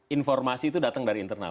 informasi itu datang dari internal